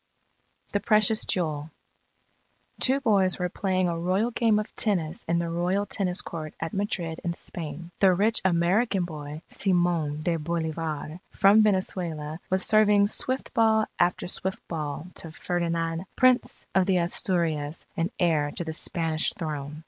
THE PRECIOUS JEWEL Two boys were playing a royal game of tennis in the royal tennis court at Madrid in Spain. The rich American boy, Simon de Bolivar, from Venezuela, was serving swift ball after swift ball to Ferdinand, Prince of the Asturias and heir to the Spanish throne.